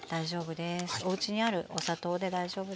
おうちにあるお砂糖で大丈夫です。